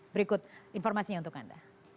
berikut informasinya untuk anda